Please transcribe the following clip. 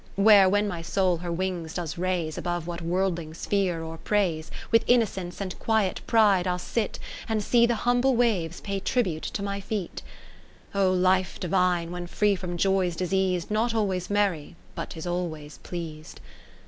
Where when my soul her wings does raise Above what worldlings fear or praise. With innocence and quiet pride I'll sit. And see the humble waves pay tri bute to my feet^ O life divine, when free from joys diseas'd, Not always merry, but 'tis always pleas'd